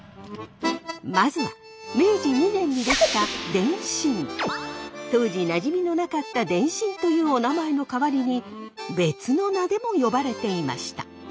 まずは明治２年に出来た当時なじみのなかった電信というおなまえの代わりに別の名でも呼ばれていました。